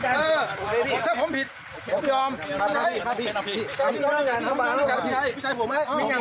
เออถ้าผมผิดพี่ออม